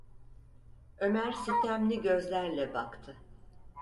Ömer sitemli gözlerle baktı.